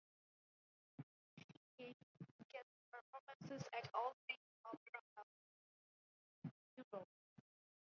She gave guest performances at all leading opera houses in Europe.